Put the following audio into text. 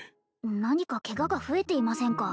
何かケガが増えていませんか？